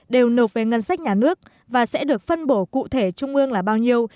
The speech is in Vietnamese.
đều nộp về ngân sách nhà nước và sẽ được phân bổ cụ thể trung ương là bao nhiêu